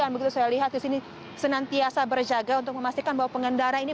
dan begitu saya lihat di sini senantiasa berjaga untuk memastikan bahwa pengendara ini